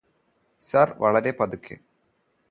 sir വളരെ പതുക്കെ